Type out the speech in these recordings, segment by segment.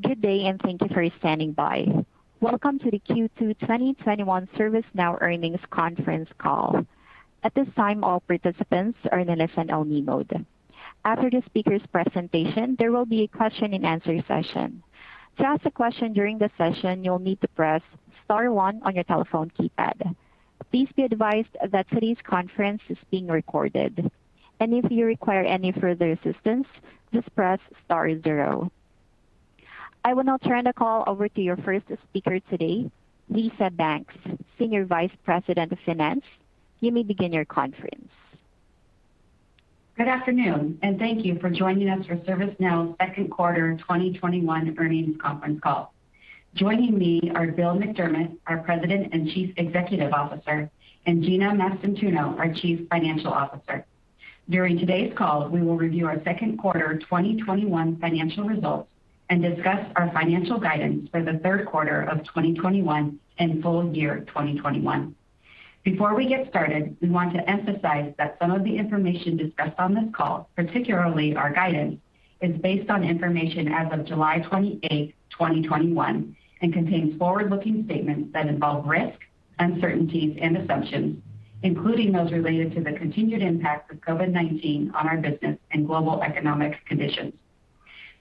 Good day, and thank you for standing by. Welcome to the Q2 2021 ServiceNow earnings conference call. At this time, all participants are in a listen-only mode. After the speakers presentation, there will be a question and answer session. To ask a question during the session, you'll need to press star one on your telephone keypad. Please be advise that today's conference is being recorded. If you require any further assistance, please press star zero. I will now turn the call over to your first speaker today, Lisa Banks, Senior Vice President of Finance. You may begin your conference. Good afternoon, thank you for joining us for ServiceNow's second quarter 2021 earnings conference call. Joining me are Bill McDermott, our President and Chief Executive Officer, and Gina Mastantuono, our Chief Financial Officer. During today's call, we will review our second quarter 2021 financial results and discuss our financial guidance for the third quarter of 2021 and full year 2021. Before we get started, we want to emphasize that some of the information discussed on this call, particularly our guidance, is based on information as of July 28th, 2021 and contains forward-looking statements that involve risks, uncertainties, and assumptions, including those related to the continued impact of COVID-19 on our business and global economic conditions.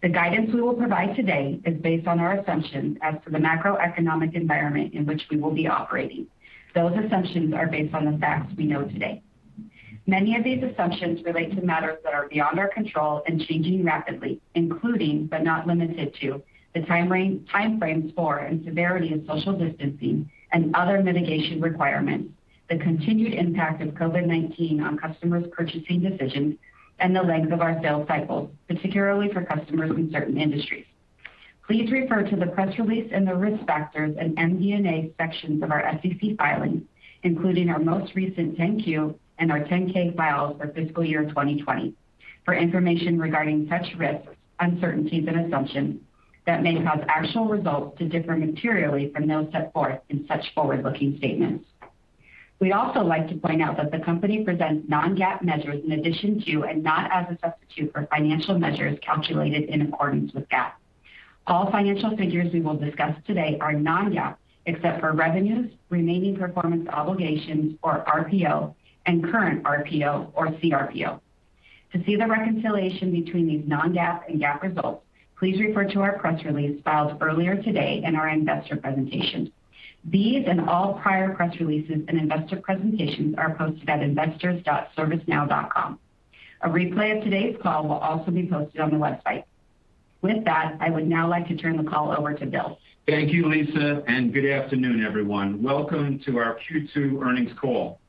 The guidance we will provide today is based on our assumptions as to the macroeconomic environment in which we will be operating. Those assumptions are based on the facts we know today. Many of these assumptions relate to matters that are beyond our control and changing rapidly, including, but not limited to, the timeframes for and severity of social distancing and other mitigation requirements, the continued impact of COVID-19 on customers' purchasing decisions, and the length of our sales cycles, particularly for customers in certain industries. Please refer to the press release and the Risk Factors and MD&A sections of our SEC filings, including our most recent 10-Q and our 10-K filed for fiscal year 2020. For information regarding such risks, uncertainties, and assumptions that may cause actual results to differ materially from those set forth in such forward-looking statements. We'd also like to point out that the company presents non-GAAP measures in addition to, and not as a substitute for, financial measures calculated in accordance with GAAP. All financial figures we will discuss today are non-GAAP, except for revenues, remaining performance obligations, or RPO, and current RPO, or CRPO. To see the reconciliation between these non-GAAP and GAAP results, please refer to our press release filed earlier today and our investor presentation. These and all prior press releases and investor presentations are posted at investors.servicenow.com. A replay of today's call will also be posted on the website. With that, I would now like to turn the call over to Bill. Thank you, Lisa, and good afternoon, everyone. Welcome to our Q2 earnings call.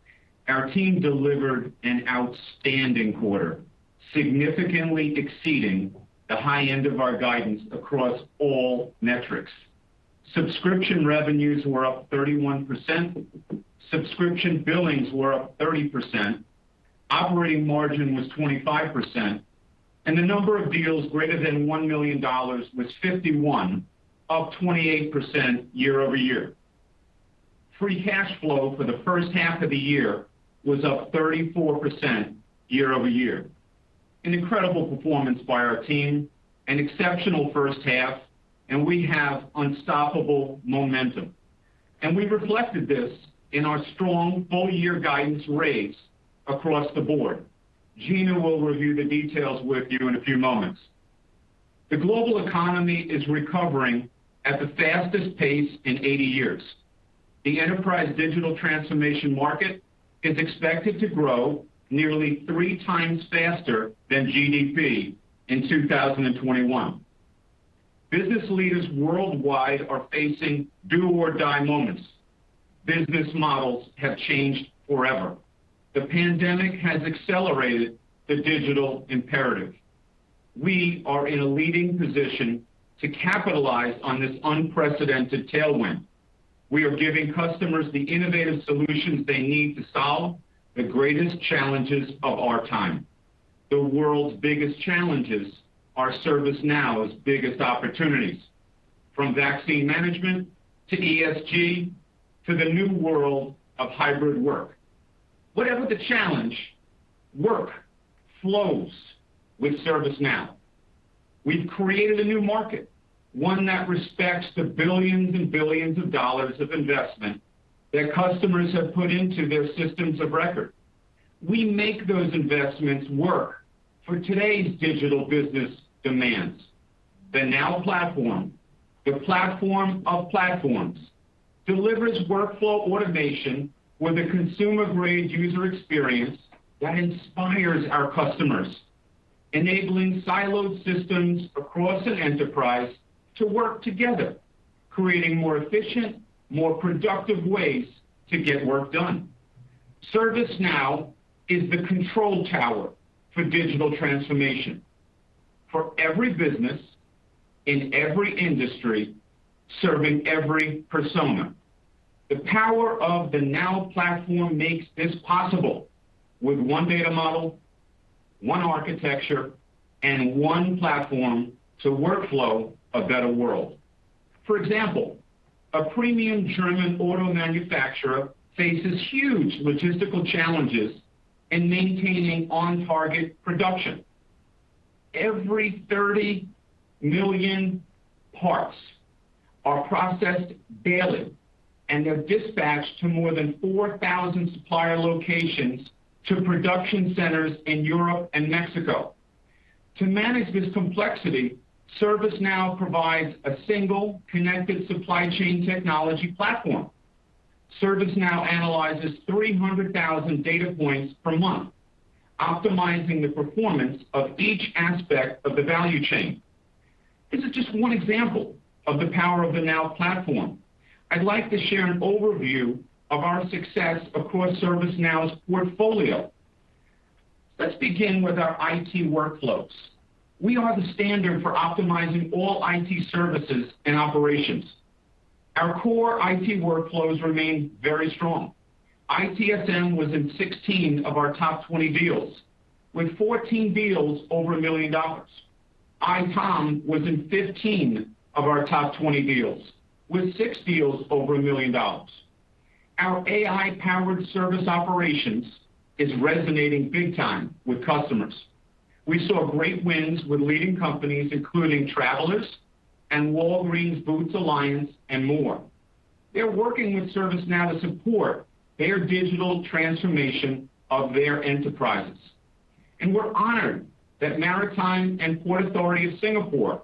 Our team delivered an outstanding quarter, significantly exceeding the high end of our guidance across all metrics. Subscription revenues were up 31%, subscription billings were up 30%, operating margin was 25%, and the number of deals greater than $1 million was 51, up 28% year-over-year. Free cash flow for the first half of the year was up 34% year-over-year. An incredible performance by our team, an exceptional first half. We have unstoppable momentum. We've reflected this in our strong full-year guidance raise across the board. Gina will review the details with you in a few moments. The global economy is recovering at the fastest pace in 80 years. The enterprise digital transformation market is expected to grow nearly 3x faster than GDP in 2021. Business leaders worldwide are facing do or die moments. Business models have changed forever. The pandemic has accelerated the digital imperative. We are in a leading position to capitalize on this unprecedented tailwind. We are giving customers the innovative solutions they need to solve the greatest challenges of our time. The world's biggest challenges are ServiceNow's biggest opportunities, from vaccine management to ESG to the new world of hybrid work. Whatever the challenge, work, flows with ServiceNow. We've created a new market, one that respects the billions and billions of dollars of investment that customers have put into their systems of record. We make those investments work for today's digital business demands. The Now Platform, the platform of platforms, delivers workflow automation with a consumer-grade user experience that inspires our customers, enabling siloed systems across an enterprise to work together, creating more efficient, more productive ways to get work done. ServiceNow is the control tower for digital transformation for every business in every industry, serving every persona. The power of the Now Platform makes this possible with one data model, one architecture, and one platform to workflow a better world. For example, a premium German auto manufacturer faces huge logistical challenges in maintaining on-target production. Every 30 million parts are processed daily, and they're dispatched to more than 4,000 supplier locations to production centers in Europe and Mexico. To manage this complexity, ServiceNow provides a single connected supply chain technology platform. ServiceNow analyzes 300,000 data points per month, optimizing the performance of each aspect of the value chain. This is just one example of the power of the Now Platform. I'd like to share an overview of our success across ServiceNow's portfolio. Let's begin with our IT Workflows. We are the standard for optimizing all IT services and operations. Our core IT workflows remain very strong. ITSM was in 16 of our top 20 deals, with 14 deals over $1 million. ITOM was in 15 of our top 20 deals, with six deals over $1 million. Our AI-powered service operations is resonating big time with customers. We saw great wins with leading companies including Travelers and Walgreens Boots Alliance, and more. They're working with ServiceNow to support their digital transformation of their enterprises. We're honored that Maritime and Port Authority of Singapore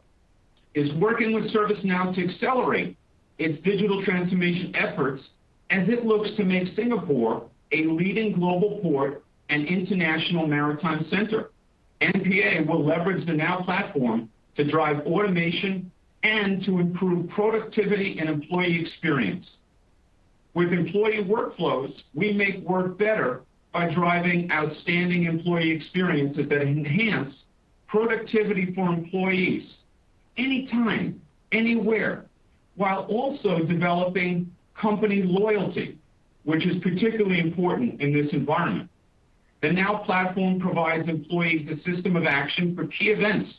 is working with ServiceNow to accelerate its digital transformation efforts as it looks to make Singapore a leading global port and international maritime center. MPA will leverage the Now Platform to drive automation and to improve productivity and employee experience. With Employee Workflows, we make work better by driving outstanding employee experiences that enhance productivity for employees anytime, anywhere, while also developing company loyalty, which is particularly important in this environment. The Now Platform provides employees a system of action for key events,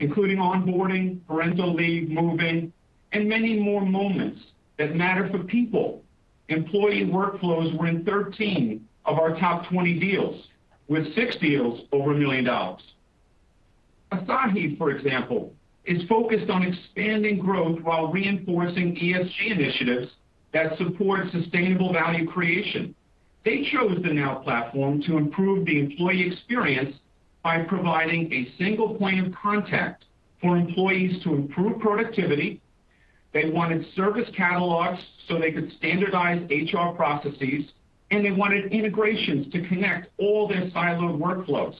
including onboarding, parental leave, moving, and many more moments that matter for people. Employee Workflows were in 13 of our top 20 deals, with six deals over $1 million. Asahi, for example, is focused on expanding growth while reinforcing ESG initiatives that support sustainable value creation. They chose the Now Platform to improve the employee experience by providing a single point of contact for employees to improve productivity. They wanted service catalogs so they could standardize HR processes, they wanted integrations to connect all their siloed workflows.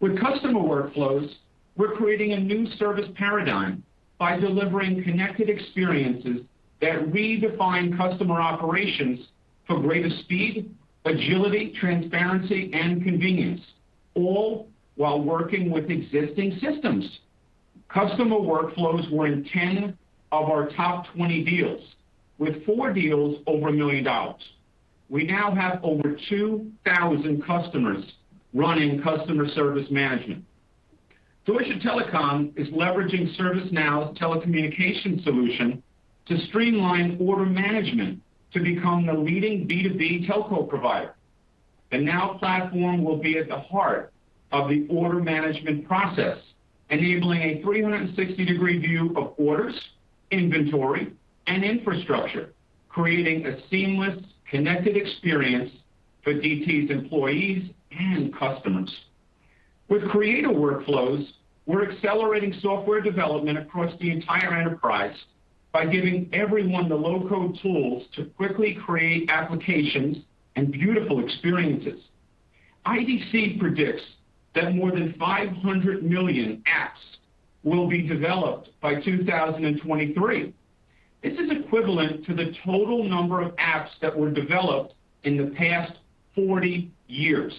With Customer Workflows, we're creating a new service paradigm by delivering connected experiences that redefine customer operations for greater speed, agility, transparency, and convenience, all while working with existing systems. Customer Workflows were in 10 of our top 20 deals, with four deals over $1 million. We now have over 2,000 customers running Customer Service Management. Deutsche Telekom is leveraging ServiceNow's telecommunication solution to streamline order management to become the leading B2B telco provider. The Now Platform will be at the heart of the order management process, enabling a 360-degree view of orders, inventory, and infrastructure, creating a seamless, connected experience for DT's employees and customers. With Creator Workflows, we're accelerating software development across the entire enterprise by giving everyone the low-code tools to quickly create applications and beautiful experiences. IDC predicts that more than 500 million apps will be developed by 2023. This is equivalent to the total number of apps that were developed in the past 40 years.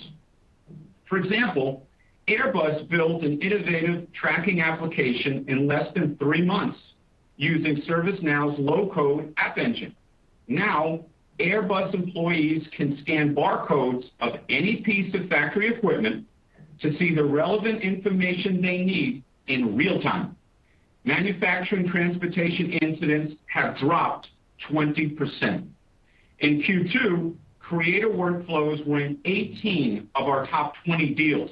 For example, Airbus built an innovative tracking application in less than three months using ServiceNow's low-code App Engine. Now, Airbus employees can scan barcodes of any piece of factory equipment to see the relevant information they need in real time. Manufacturing transportation incidents have dropped 20%. In Q2, Creator Workflows were in 18 of our top 20 deals.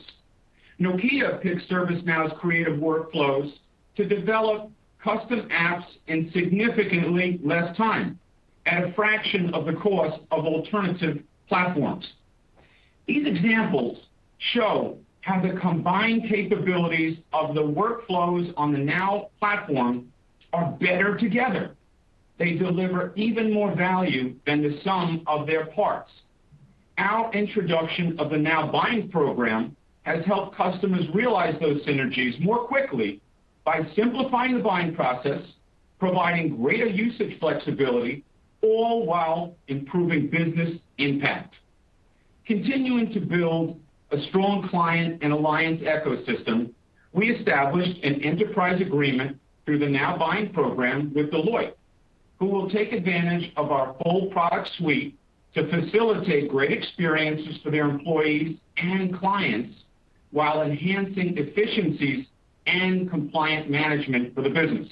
Nokia picked ServiceNow's Creator Workflows to develop custom apps in significantly less time, at a fraction of the cost of alternative platforms. These examples show how the combined capabilities of the workflows on the Now Platform are better together. They deliver even more value than the sum of their parts. Our introduction of the Now Buying Program has helped customers realize those synergies more quickly by simplifying the buying process, providing greater usage flexibility, all while improving business impact. Continuing to build a strong client and alliance ecosystem, we established an enterprise agreement through the Now Buying Program with Deloitte. Who will take advantage of our full product suite to facilitate great experiences for their employees and clients, while enhancing efficiencies and compliance management for the business.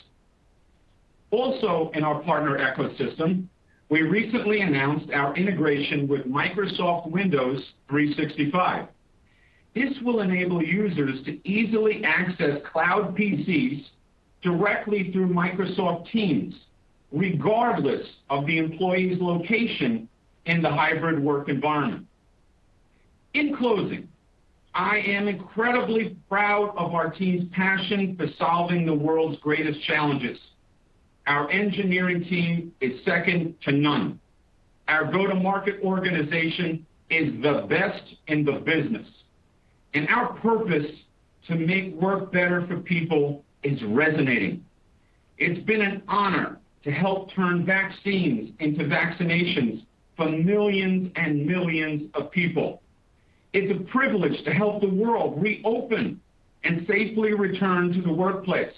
In our partner ecosystem, we recently announced our integration with Microsoft Windows 365. This will enable users to easily access cloud PCs directly through Microsoft Teams, regardless of the employee's location in the hybrid work environment. In closing, I am incredibly proud of our team's passion for solving the world's greatest challenges. Our engineering team is second to none. Our go-to-market organization is the best in the business, and our purpose to make work better for people is resonating. It's been an honor to help turn vaccines into vaccinations for millions and millions of people. It's a privilege to help the world reopen and safely return to the workplace.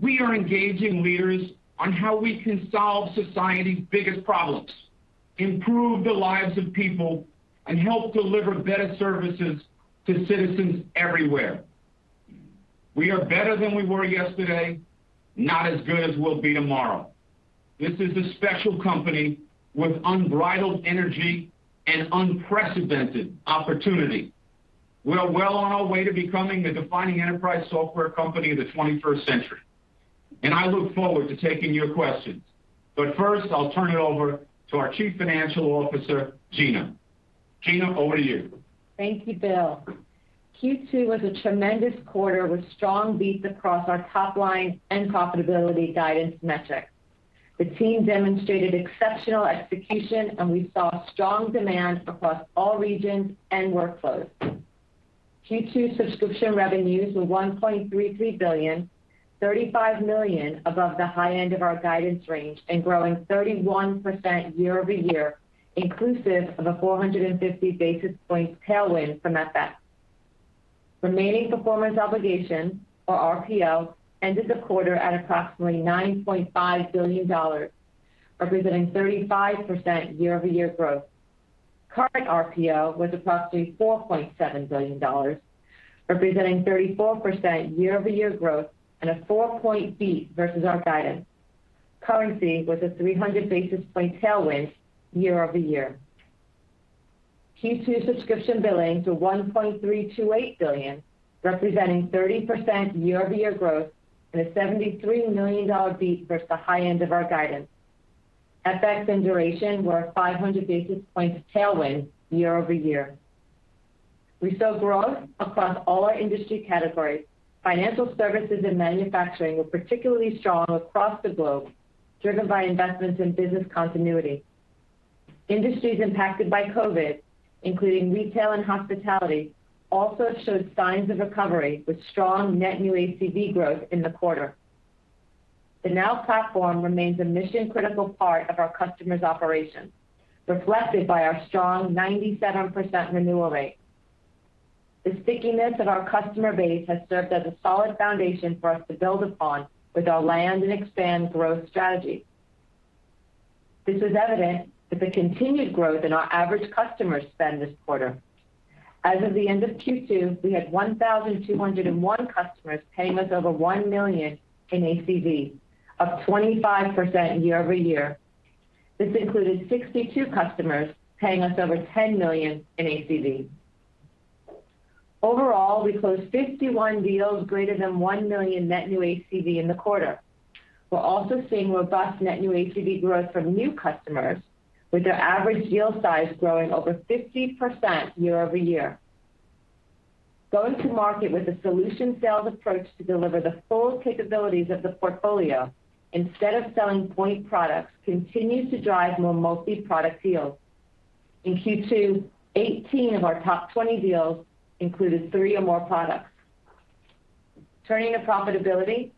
We are engaging leaders on how we can solve society's biggest problems, improve the lives of people, and help deliver better services to citizens everywhere. We are better than we were yesterday, not as good as we'll be tomorrow. This is a special company with unbridled energy and unprecedented opportunity. We are well on our way to becoming the defining enterprise software company of the 21st century, and I look forward to taking your questions. First, I'll turn it over to our Chief Financial Officer, Gina. Gina, over to you. Thank you, Bill. Q2 was a tremendous quarter with strong beats across our top-line and profitability guidance metrics. The team demonstrated exceptional execution, and we saw strong demand across all regions and workflows. Q2 subscription revenues were $1.33 billion, $35 million above the high end of our guidance range and growing 31% year-over-year, inclusive of a 450 basis points tailwind from FX. Remaining performance obligations, or RPO, ended the quarter at approximately $9.5 billion, representing 35% year-over-year growth. Current RPO was approximately $4.7 billion, representing 34% year-over-year growth and a four-point beat versus our guidance. Currency was a 300 basis point tailwind year-over-year. Q2 subscription billing to $1.328 billion, representing 30% year-over-year growth and a $73 million beat versus the high end of our guidance. FX and duration were a 500 basis points tailwind year-over-year. We saw growth across all our industry categories. Financial services and manufacturing were particularly strong across the globe, driven by investments in business continuity. Industries impacted by COVID, including retail and hospitality, also showed signs of recovery with strong net new ACV growth in the quarter. The Now Platform remains a mission-critical part of our customers' operations, reflected by our strong 97% renewal rate. The stickiness of our customer base has served as a solid foundation for us to build upon with our land and expand growth strategy. This was evident with the continued growth in our average customer spend this quarter. As of the end of Q2, we had 1,201 customers paying us over $1 million in ACV, up 25% year-over-year. This included 62 customers paying us over $10 million in ACV. Overall, we closed 51 deals greater than $1 million net new ACV in the quarter. We're also seeing robust net new ACV growth from new customers, with their average deal size growing over 50% year-over-year. Going to market with a solution sales approach to deliver the full capabilities of the portfolio instead of selling point products continues to drive more multi-product deals. In Q2, 18 of our top 20 deals included three or more products. Turning to profitability,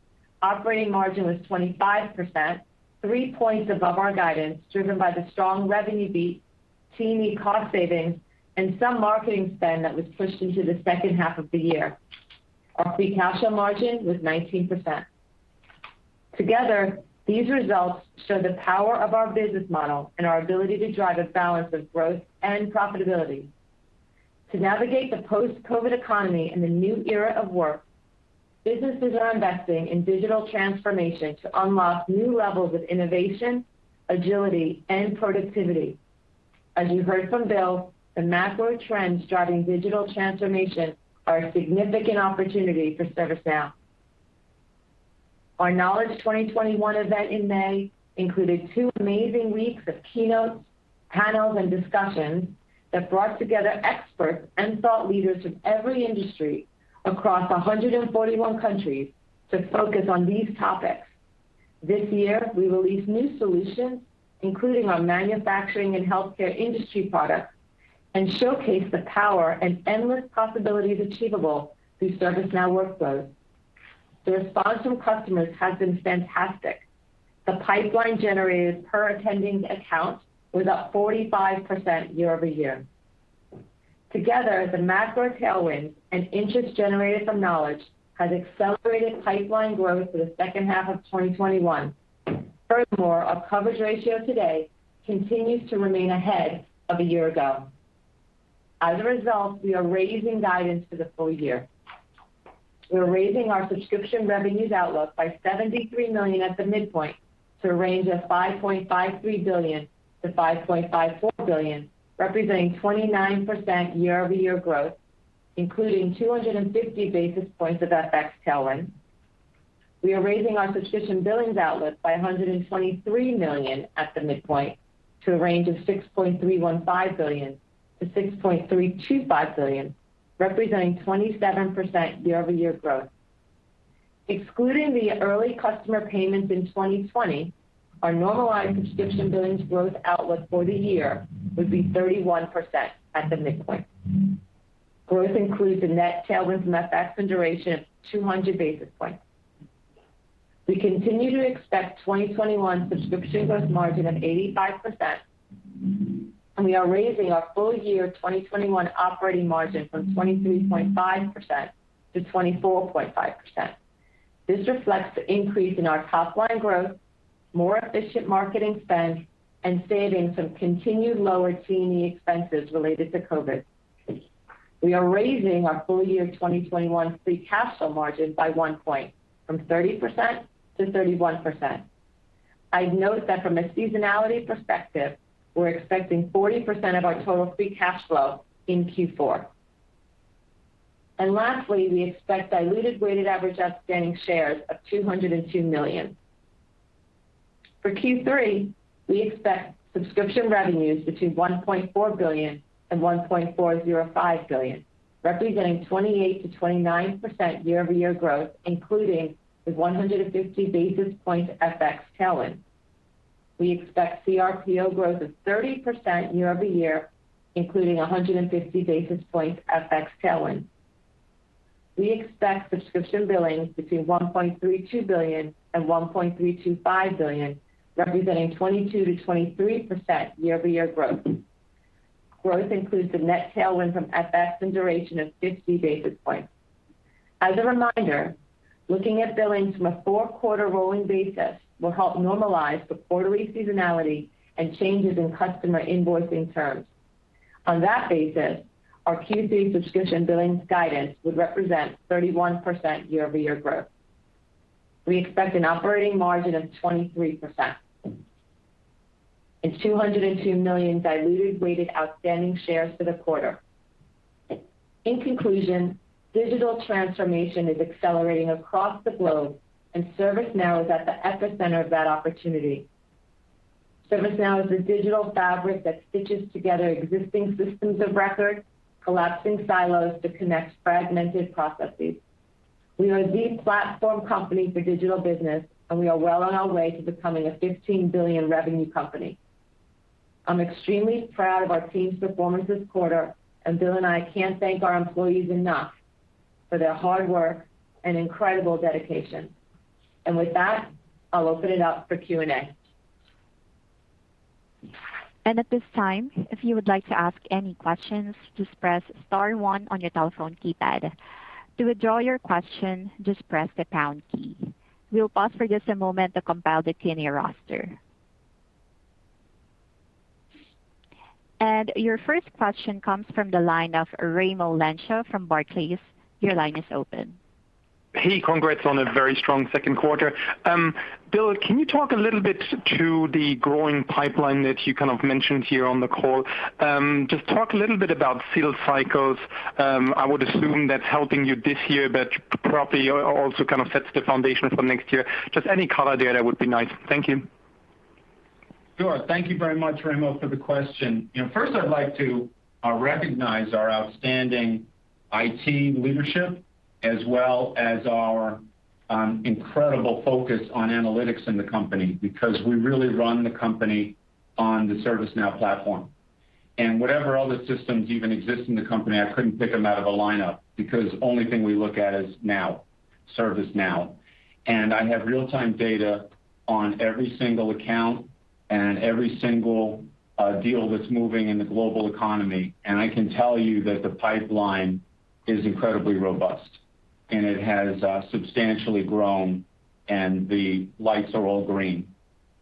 operating margin was 25%, three points above our guidance, driven by the strong revenue beat, T&E cost savings, and some marketing spend that was pushed into the second half of the year. Our free cash flow margin was 19%. Together, these results show the power of our business model and our ability to drive a balance of growth and profitability. To navigate the post-COVID economy and the new era of work, businesses are investing in digital transformation to unlock new levels of innovation, agility, and productivity. As you heard from Bill, the macro trends driving digital transformation are a significant opportunity for ServiceNow. Our Knowledge 2021 event in May included two amazing weeks of keynotes, panels, and discussions that brought together experts and thought leaders from every industry across 141 countries to focus on these topics. This year, we released new solutions, including our manufacturing and healthcare industry products, and showcased the power and endless possibilities achievable through ServiceNow workflows. The response from customers has been fantastic. The pipeline generated per attending account was up 45% year-over-year. Together, the macro tailwind and interest generated from Knowledge has accelerated pipeline growth for the second half of 2021. Furthermore, our coverage ratio today continues to remain ahead of a year ago. As a result, we are raising guidance for the full year. We're raising our subscription revenues outlook by $73 million at the midpoint to a range of $5.53 billion-$5.54 billion, representing 29% year-over-year growth, including 250 basis points of FX tailwind. We are raising our subscription billings outlook by $123 million at the midpoint to a range of $6.315 billion-$6.325 billion, representing 27% year-over-year growth. Excluding the early customer payments in 2020, our normalized subscription billings growth outlook for the year would be 31% at the midpoint. Growth includes a net tailwind from FX and duration of 200 basis points. We continue to expect 2021 subscription gross margin of 85%, and we are raising our full year 2021 operating margin from 23.5%-24.5%. This reflects the increase in our top line growth, more efficient marketing spend, and savings from continued lower T&E expenses related to COVID. We are raising our full year 2021 free cash flow margin by 1%, from 30%-31%. I'd note that from a seasonality perspective, we're expecting 40% of our total free cash flow in Q4. Lastly, we expect diluted weighted average outstanding shares of 202 million. For Q3, we expect subscription revenues between $1.4 billion and $1.405 billion, representing 28%-29% year-over-year growth, including the 150 basis point FX tailwind. We expect CRPO growth of 30% year-over-year, including 150 basis points FX tailwind. We expect subscription billing between $1.32 billion and $1.325 billion, representing 22%-23% year-over-year growth. Growth includes the net tailwind from FX and duration of 50 basis points. As a reminder, looking at billings from a four-quarter rolling basis will help normalize the quarterly seasonality and changes in customer invoicing terms. On that basis, our Q3 subscription billings guidance would represent 31% year-over-year growth. We expect an operating margin of 23%, and 202 million diluted weighted outstanding shares for the quarter. In conclusion, digital transformation is accelerating across the globe, and ServiceNow is at the epicenter of that opportunity. ServiceNow is the digital fabric that stitches together existing systems of record, collapsing silos to connect fragmented processes. We are the platform company for digital business, and we are well on our way to becoming a $15 billion revenue company. I'm extremely proud of our team's performance this quarter, and Bill and I can't thank our employees enough for their hard work and incredible dedication. With that, I'll open it up for Q&A. At this time, if you would like to ask any questions, just press star one on your telephone keypad. To withdraw your question, just press the pound key. We'll pause for just a moment to compile the Q&A roster. Your first question comes from the line of Raimo Lenschow from Barclays. Your line is open. Congrats on a very strong second quarter. Bill, can you talk a little bit to the growing pipeline that you kind of mentioned here on the call? Talk a little bit about sales cycles. I would assume that's helping you this year, but probably also kind of sets the foundation for next year. Any color there would be nice. Thank you. Thank you very much, Raimo, for the question. First I'd like to recognize our outstanding IT leadership as well as our incredible focus on analytics in the company, because we really run the company on the serviceNow Platform. Whatever other systems even exist in the company, I couldn't pick them out of a lineup because only thing we look at is Now, ServiceNow. I have real-time data on every single account and every single deal that's moving in the global economy, and I can tell you that the pipeline is incredibly robust, and it has substantially grown, and the lights are all green.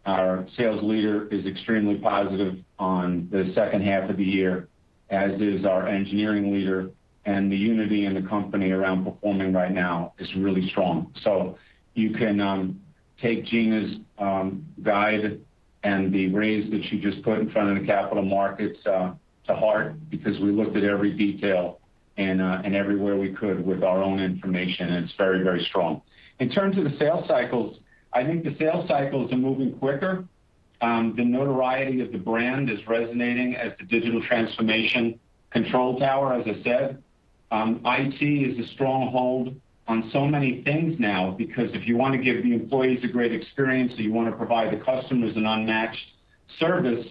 Our sales leader is extremely positive on the second half of the year, as is our engineering leader, and the unity in the company around performing right now is really strong. You can take Gina's guide and the raise that she just put in front of the capital markets to heart because we looked at every detail and everywhere we could with our own information, and it's very, very strong. In terms of the sales cycles, I think the sales cycles are moving quicker. The notoriety of the brand is resonating as the digital transformation control tower, as I said. IT is a strong hold on so many things now. Because if you want to give the employees a great experience or you want to provide the customers an unmatched service,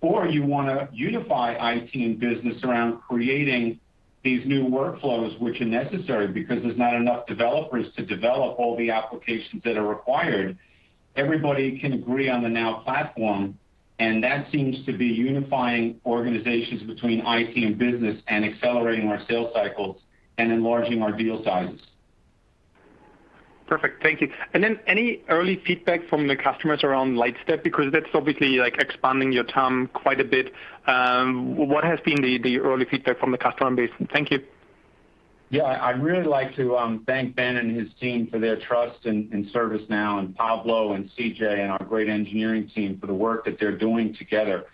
or you want to unify IT and business around creating these new workflows which are necessary because there's not enough developers to develop all the applications that are required. Everybody can agree on the Now Platform, and that seems to be unifying organizations between IT and business and accelerating our sales cycles and enlarging our deal sizes. Thank you. Any early feedback from the customers around Lightstep? Because that's obviously expanding your TAM quite a bit. What has been the early feedback from the customer base? Thank you. I'd really like to thank Ben and his team for their trust in ServiceNow and Pablo and CJ and our great engineering team for the work that they're doing together.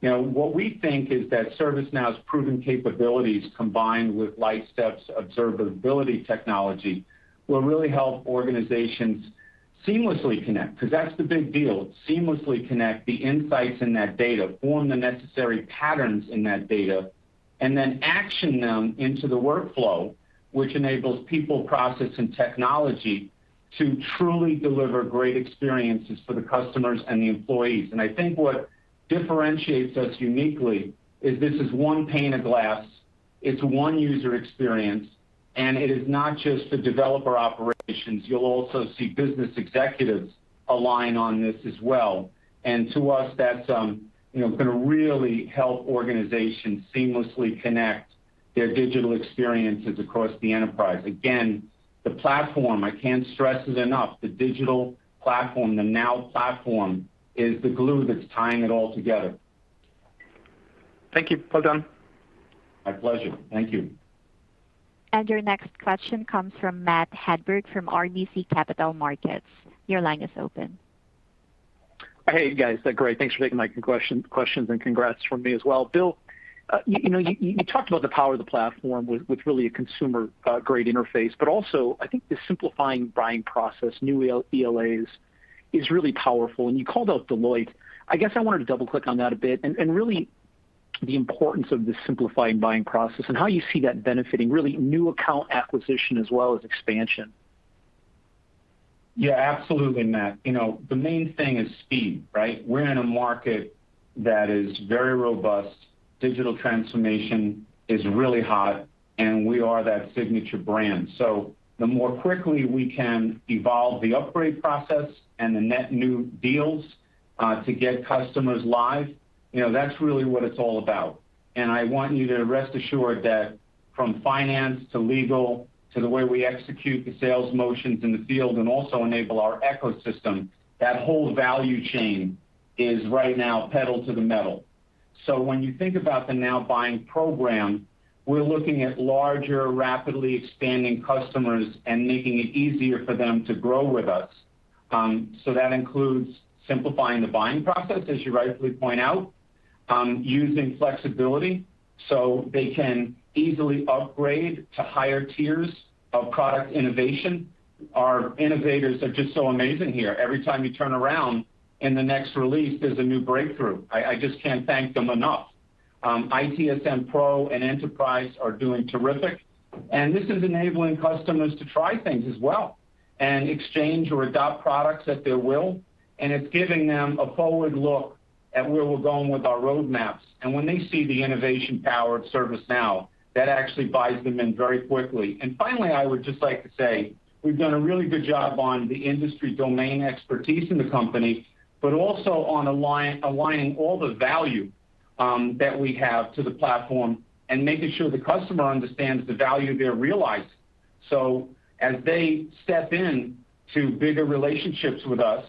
What we think is that ServiceNow's proven capabilities combined with Lightstep's observability technology will really help organizations seamlessly connect. Because that's the big deal. Seamlessly connect the insights in that data, form the necessary patterns in that data, and then action them into the workflow, which enables people, process, and technology to truly deliver great experiences for the customers and the employees. I think what differentiates us uniquely is this is one pane of glass, it's one user experience, and it is not just the developer operations. You'll also see business executives align on this as well. To us, that's going to really help organizations seamlessly connect their digital experiences across the enterprise. Again, the platform, I can't stress it enough, the digital platform, the Now Platform, is the glue that's tying it all together. Thank you. Well done. My pleasure. Thank you. Your next question comes from Matt Hedberg from RBC Capital Markets. Your line is open. Thanks for taking my questions, and congrats from me as well. Bill, you talked about the power of the platform with really a consumer-grade interface, but also, I think the simplifying buying process, new ELAs, is really powerful. You called out Deloitte. I guess I wanted to double-click on that a bit, and really the importance of the simplifying buying process and how you see that benefiting really new account acquisition as well as expansion? Absolutely, Matt. The main thing is speed, right? We're in a market that is very robust. Digital transformation is really hot, and we are that signature brand. The more quickly we can evolve the upgrade process and the net new deals, to get customers live, that's really what it's all about. I want you to rest assured that from finance to legal to the way we execute the sales motions in the field and also enable our ecosystem, that whole value chain is right now pedal to the metal. When you think about the Now Buying Program, we're looking at larger, rapidly expanding customers and making it easier for them to grow with us. That includes simplifying the buying process, as you rightly point out, using flexibility so they can easily upgrade to higher tiers of product innovation. Our innovators are just so amazing here. Every time you turn around, in the next release, there's a new breakthrough. I just can't thank them enough. ITSM Pro and Enterprise are doing terrific, and this is enabling customers to try things as well, and exchange or adopt products at their will, and it's giving them a forward look at where we're going with our roadmaps. When they see the innovation power of ServiceNow, that actually buys them in very quickly. Finally, I would just like to say, we've done a really good job on the industry domain expertise in the company, but also on aligning all the value that we have to the platform and making sure the customer understands the value they're realizing. As they step in to bigger relationships with us,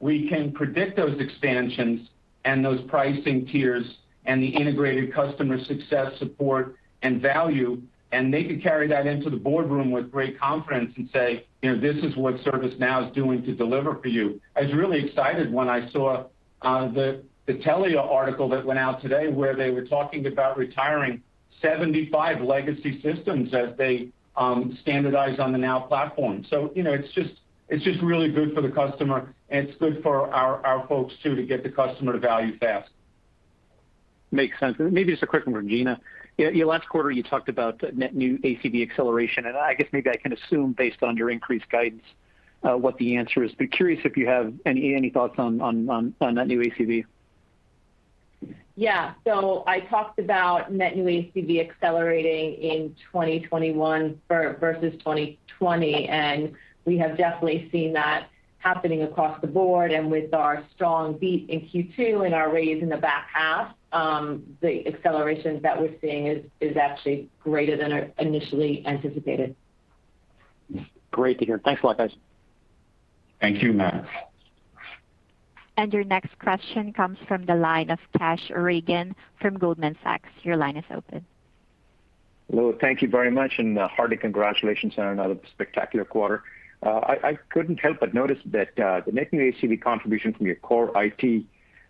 we can predict those expansions and those pricing tiers and the integrated customer success support and value, and they can carry that into the boardroom with great confidence and say, "This is what ServiceNow is doing to deliver for you." I was really excited when I saw the Telia article that went out today where they were talking about retiring 75 legacy systems as they standardize on the Now Platform. It's just really good for the customer, and it's good for our folks, too, to get the customer to value fast. Makes sense. Maybe just a quick one from Gina. Last quarter, you talked about net new ACV acceleration, and I guess maybe I can assume based on your increased guidance, what the answer is. Curious if you have any thoughts on net new ACV. I talked about net new ACV accelerating in 2021 versus 2020, and we have definitely seen that happening across the board. With our strong beat in Q2 and our raise in the back half, the accelerations that we're seeing is actually greater than initially anticipated. Great to hear. Thanks a lot, guys. Thank you, Matt. Your next question comes from the line of Kash Rangan from Goldman Sachs. Your line is open. Hello, thank you very much, and hearty congratulations on another spectacular quarter. I couldn't help but notice that the net new ACV contribution from your core IT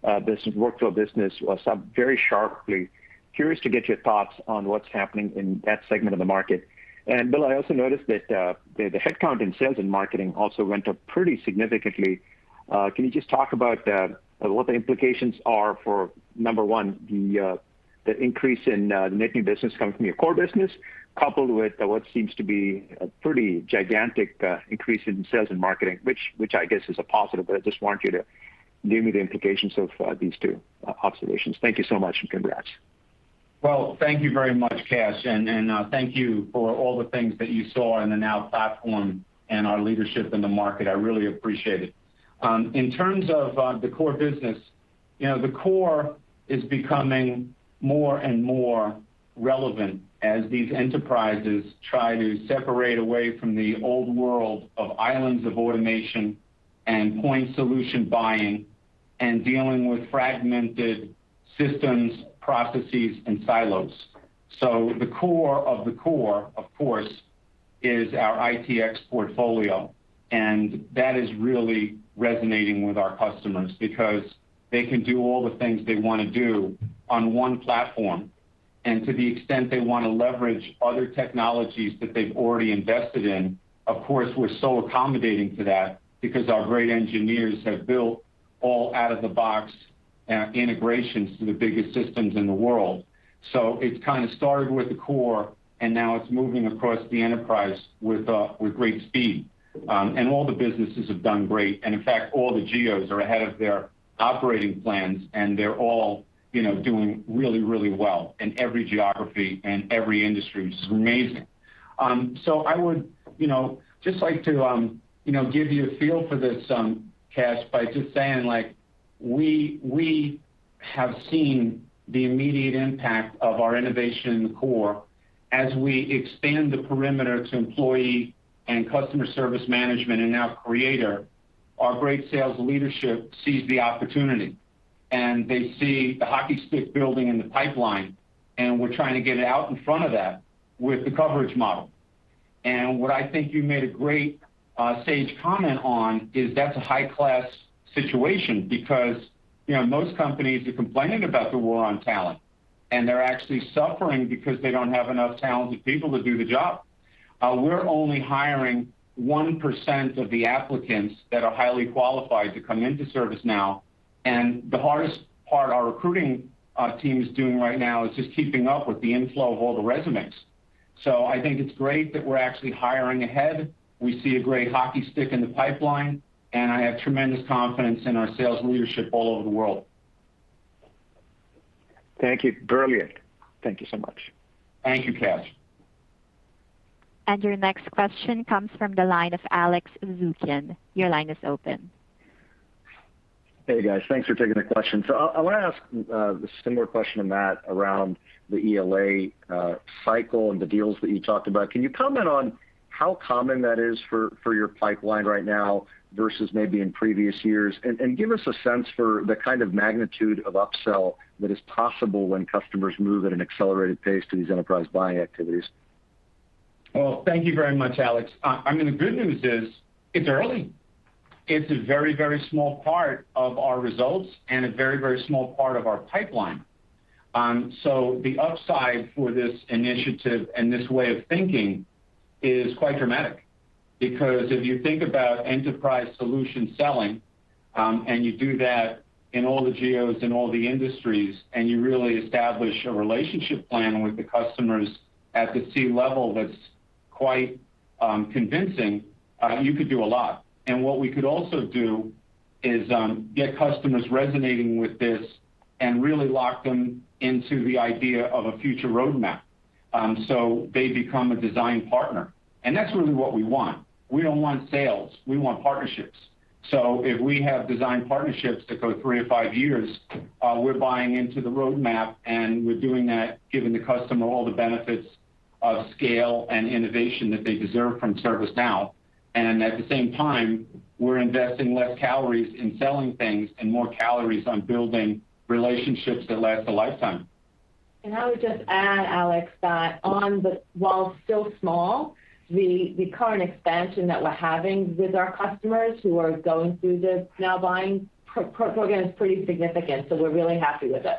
Workflows business was up very sharply. Curious to get your thoughts on what's happening in that segment of the market. Bill, I also noticed that the headcount in sales and marketing also went up pretty significantly. Can you just talk about what the implications are for, number one, the increase in net new business coming from your core business, coupled with what seems to be a pretty gigantic increase in sales and marketing, which I guess is a positive, but I just wanted you to give me the implications of these two observations. Thank you so much, and congrats. Well, thank you very much, Kash. Thank you for all the things that you saw in the Now Platform and our leadership in the market. I really appreciate it. In terms of the core business, the core is becoming more and more relevant as these enterprises try to separate away from the old world of islands of automation and point solution buying, and dealing with fragmented systems, processes, and silos. The core of the core, of course, is our ITX portfolio. That is really resonating with our customers because they can do all the things they want to do on one platform. To the extent they want to leverage other technologies that they've already invested in, of course, we're so accommodating to that because our great engineers have built all out-of-the-box integrations to the biggest systems in the world. It kind of started with the Core, and now it's moving across the enterprise with great speed. All the businesses have done great, and in fact, all the geos are ahead of their operating plans, and they're all doing really, really well in every geography and every industry, which is amazing. I would just like to give you a feel for this, Kash, by just saying we have seen the immediate impact of our innovation in the Core as we expand the perimeter to employee and Customer Service Management in Creator Workflows. Our great sales leadership sees the opportunity, and they see the hockey stick building in the pipeline, and we're trying to get out in front of that with the coverage model. What I think you made a great sage comment on is that's a high-class situation because most companies are complaining about the war on talent, and they're actually suffering because they don't have enough talented people to do the job. We're only hiring 1% of the applicants that are highly qualified to come into ServiceNow, and the hardest part our recruiting team is doing right now is just keeping up with the inflow of all the resumes. I think it's great that we're actually hiring ahead. We see a great hockey stick in the pipeline, and I have tremendous confidence in our sales leadership all over the world. Thank you. Brilliant. Thank you so much. Thank you, Kash. Your next question comes from the line of Alex Zukin. Your line is open. Thanks for taking the question. I want to ask a similar question to Matt around the ELA cycle and the deals that you talked about. Can you comment on how common that is for your pipeline right now versus maybe in previous years? Give us a sense for the kind of magnitude of upsell that is possible when customers move at an accelerated pace to these enterprise buying activities. Thank you very much, Alex. I mean, the good news is it's early. It's a very, very small part of our results and a very, very small part of our pipeline. The upside for this initiative and this way of thinking is quite dramatic. If you think about enterprise solution selling, and you do that in all the geos, in all the industries, and you really establish a relationship plan with the customers at the C level that's quite convincing, you could do a lot. What we could also do is get customers resonating with this and really lock them into the idea of a future roadmap. They become a design partner, and that's really what we want. We don't want sales. We want partnerships. If we have design partnerships that go three to five years, we're buying into the roadmap, and we're doing that giving the customer all the benefits of scale and innovation that they deserve from ServiceNow. At the same time, we're investing less calories in selling things and more calories on building relationships that last a lifetime. I would just add, Alex, that while still small, the current expansion that we're having with our customers who are going through this Now Buying Program is pretty significant. We're really happy with it.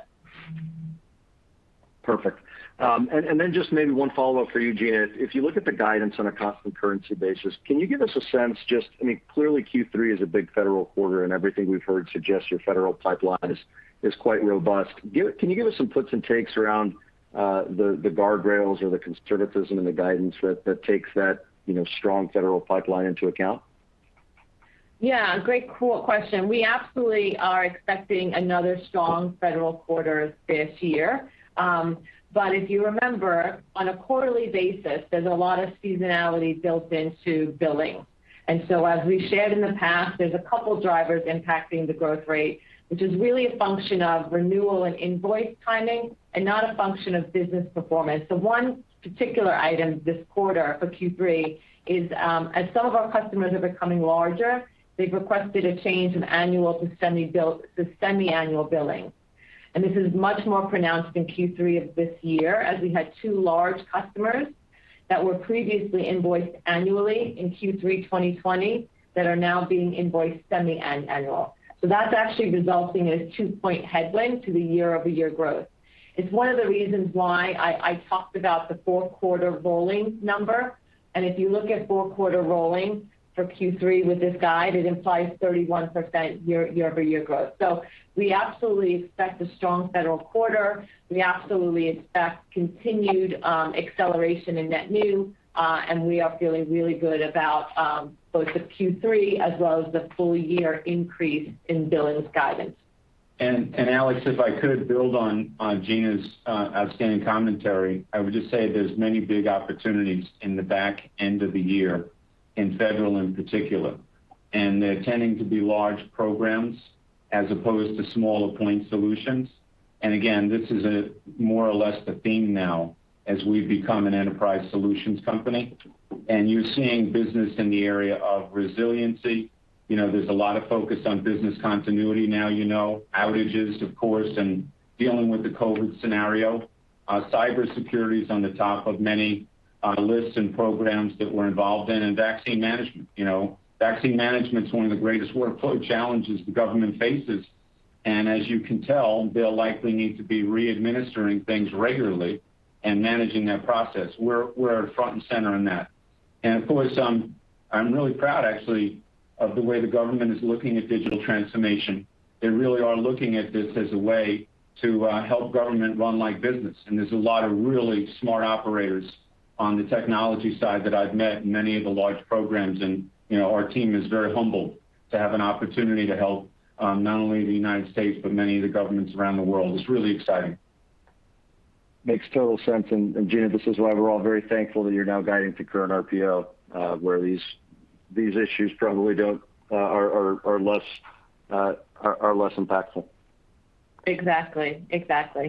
Just maybe one follow-up for you, Gina. If you look at the guidance on a constant currency basis, can you give us a sense I mean, clearly Q3 is a big federal quarter, and everything we've heard suggests your federal pipeline is quite robust. Can you give us some puts and takes around the guardrails or the conservatism in the guidance that takes that strong federal pipeline into account? Great question. We absolutely are expecting another strong federal quarter this year. If you remember, on a quarterly basis, there's a lot of seasonality built into billing. As we've shared in the past, there's a couple drivers impacting the growth rate, which is really a function of renewal and invoice timing and not a function of business performance. The one particular item this quarter for Q3 is, as some of our customers are becoming larger, they've requested a change from annual to semi-annual billing. This is much more pronounced in Q3 of this year, as we had two large customers that were previously invoiced annually in Q3 2020 that are now being invoiced semi and annual. That's actually resulting in a two-point headwind to the year-over-year growth. It's one of the reasons why I talked about the fourth quarter rolling number, and if you look at fourth quarter rolling for Q3 with this guide, it implies 31% year-over-year growth. We absolutely expect a strong federal quarter. We absolutely expect continued acceleration in net new, and we are feeling really good about both the Q3 as well as the full-year increase in billings guidance. Alex, if I could build on Gina's outstanding commentary, I would just say there's many big opportunities in the back end of the year in federal, in particular. They're tending to be large programs as opposed to smaller point solutions. Again, this is more or less the theme now as we've become an enterprise solutions company. You're seeing business in the area of resiliency. There's a lot of focus on business continuity now, outages, of course, and dealing with the COVID scenario. Cybersecurity is on the top of many lists and programs that we're involved in, and vaccine management. Vaccine management's one of the greatest workflow challenges the government faces. As you can tell, they'll likely need to be re-administering things regularly and managing that process. We're front and center in that. I'm really proud actually of the way the government is looking at digital transformation. They really are looking at this as a way to help government run like business. There's a lot of really smart operators on the technology side that I've met in many of the large programs. Our team is very humbled to have an opportunity to help, not only the United States, but many of the governments around the world. It's really exciting. Makes total sense. Gina, this is why we're all very thankful that you're now guiding to current RPO, where these issues probably are less impactful. Exactly.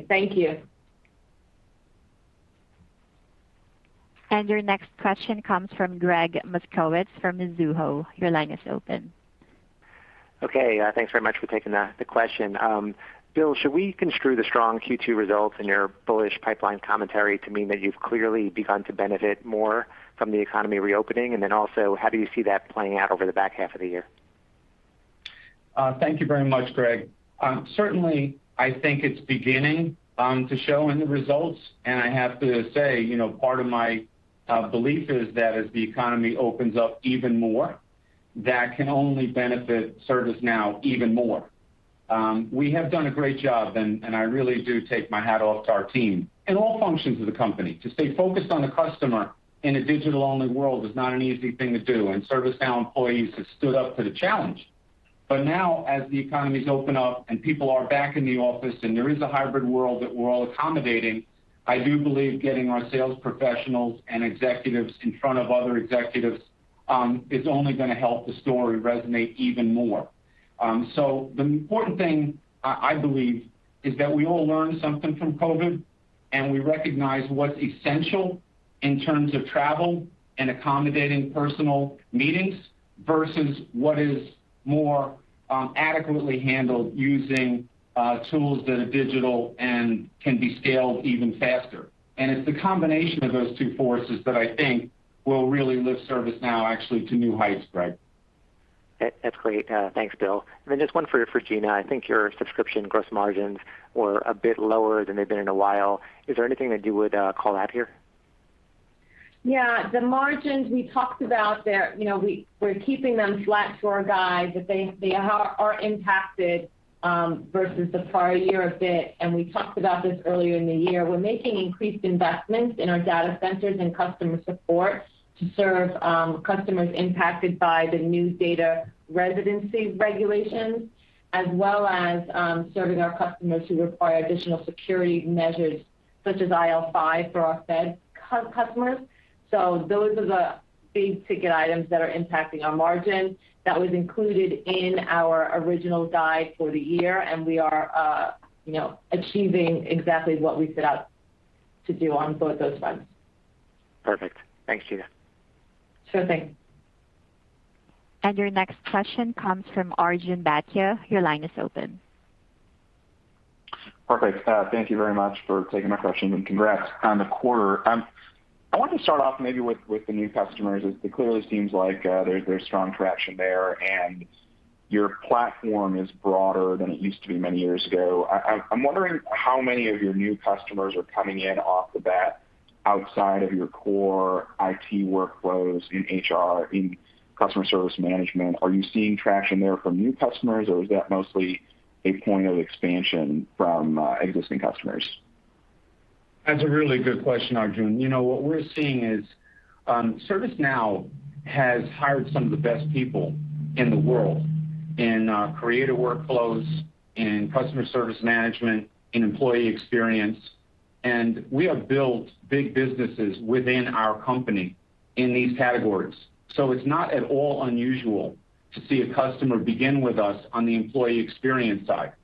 Thank you. Your next question comes from Gregg Moskowitz from Mizuho. Your line is open. Thanks very much for taking the question. Bill, should we construe the strong Q2 results in your bullish pipeline commentary to mean that you've clearly begun to benefit more from the economy reopening? Also, how do you see that playing out over the back half of the year? Thank you very much, Gregg. Certainly, I think it's beginning to show in the results. I have to say, part of my belief is that as the economy opens up even more, that can only benefit ServiceNow even more. We have done a great job, and I really do take my hat off to our team in all functions of the company. To stay focused on the customer in a digital-only world is not an easy thing to do, and ServiceNow employees have stood up to the challenge. Now, as the economies open up, and people are back in the office, and there is a hybrid world that we're all accommodating, I do believe getting our sales professionals and executives in front of other executives is only going to help the story resonate even more. The important thing, I believe, is that we all learned something from COVID-19, and we recognize what's essential in terms of travel and accommodating personal meetings versus what is more adequately handled using tools that are digital and can be scaled even faster. It's the combination of those two forces that I think will really lift ServiceNow actually to new heights, Gregg. Thanks, Bill. Just one for Gina. I think your subscription gross margins were a bit lower than they've been in a while. Is there anything that you would call out here? The margins we talked about there, we're keeping them flat to our guide. They are impacted versus the prior year a bit, and we talked about this earlier in the year. We're making increased investments in our data centers and customer support to serve customers impacted by the new data residency regulations, as well as serving our customers who require additional security measures such as IL5 for our Fed customers. Those are the big-ticket items that are impacting our margin. That was included in our original guide for the year, and we are achieving exactly what we set out to do on both those fronts. Thanks, Gina. Sure thing. Your next question comes from Arjun Bhatia. Your line is open. Thank you very much for taking my question, and congrats on the quarter. I want to start off maybe with the new customers, as it clearly seems like there's strong traction there, and your platform is broader than it used to be many years ago. I'm wondering how many of your new customers are coming in off the bat outside of your core IT Workflows in HR, in Customer Service Management. Are you seeing traction there from new customers, or is that mostly a point of expansion from existing customers? That's a really good question, Arjun. What we're seeing is ServiceNow has hired some of the best people in the world in Creator Workflows, in Customer Service Management, in employee experience, we have built big businesses within our company in these categories. It's not at all unusual to see a customer begin with us on the employee experience side.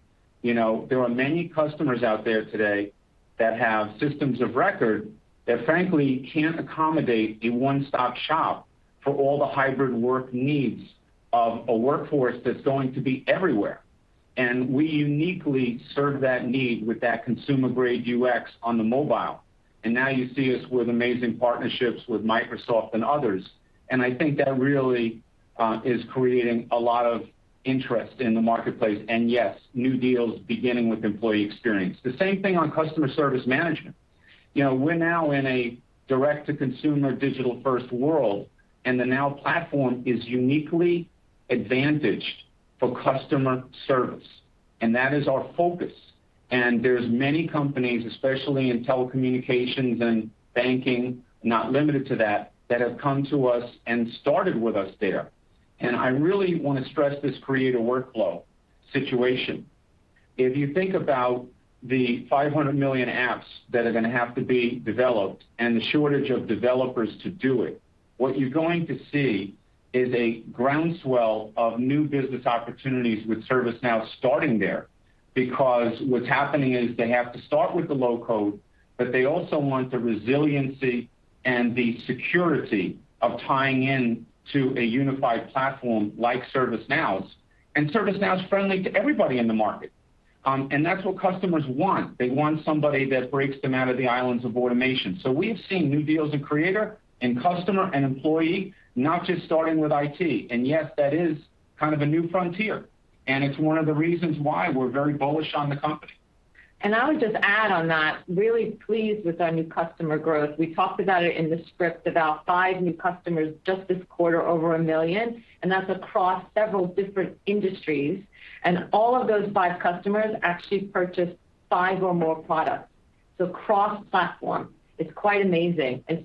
There are many customers out there today that have systems of record that frankly can't accommodate a one-stop shop for all the hybrid work needs of a workforce that's going to be everywhere. We uniquely serve that need with that consumer-grade UX on the mobile. Now you see us with amazing partnerships with Microsoft and others. I think that really is creating a lot of interest in the marketplace. New deals beginning with employee experience. The same thing on Customer Service Management. We're now in a direct-to-consumer digital-first world, and the Now Platform is uniquely advantaged for customer service, and that is our focus. There's many companies, especially in telecommunications and banking, not limited to that have come to us and started with us there. I really want to stress this Creator Workflow situation. If you think about the 500 million apps that are going to have to be developed and the shortage of developers to do it, what you're going to see is a groundswell of new business opportunities with ServiceNow starting there. What's happening is they have to start with the low-code, but they also want the resiliency and the security of tying in to a unified platform like ServiceNow's. ServiceNow's friendly to everybody in the market. That's what customers want. They want somebody that breaks them out of the islands of automation. We have seen new deals in Creator, in customer and employee, not just starting with IT. That is kind of a new frontier, and it's one of the reasons why we're very bullish on the company. I would just add on that, really pleased with our new customer growth. We talked about it in the script, about five new customers just this quarter over $1 million, and that's across several different industries. All of those five customers actually purchased five or more products, so cross-platform. It's quite amazing. As